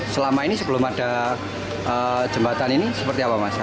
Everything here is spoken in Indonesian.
selama ini sebelum ada jembatan ini seperti apa mas